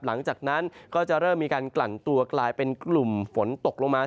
หลังจากนั้นก็จะเริ่มมีการกลั่นตัวกลายเป็นกลุ่มฝนตกลงมา